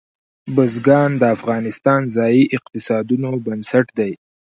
بزګان د افغانستان د ځایي اقتصادونو بنسټ دی.